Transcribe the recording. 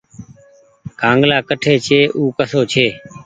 ڪآنگلآ ڪٺي ڇي ۔او ڪسو ڇي۔